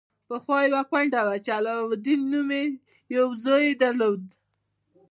پخوا یوه کونډه وه چې علاوالدین نومې یو زوی یې درلود.